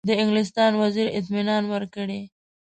د انګلستان وزیر اطمینان ورکړی.